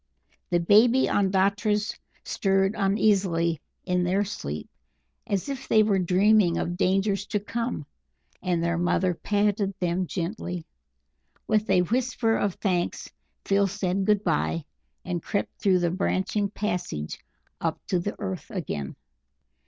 The baby Ondatras stirred uneasily in their sleep as if they were dreaming of dangers to come, and their mother patted them gently. With a whisper of thanks Phil said good bye, and crept through the branching passages up to the earth again.